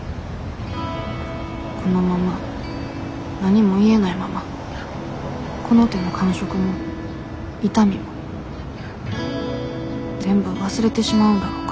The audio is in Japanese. このまま何も言えないままこの手の感触も痛みも全部忘れてしまうんだろうか。